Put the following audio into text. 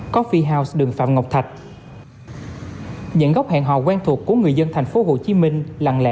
coffee house đường phạm ngọc thạch những góc hẹn hò quen thuộc của người dân tp hcm lặng lẽ